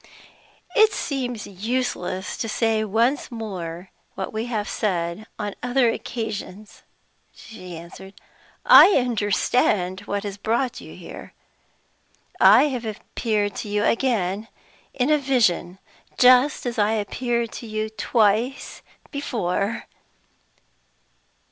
"It seems useless to say once more what we have said on other occasions," she answered. "I understand what has brought you here. I have appeared to you again in a vision, just as I appeared to you twice before."